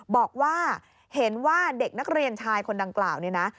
บอกว่าเห็นว่าเด็กนักเรียนชายคนดังกล่าวเนี่ยนะ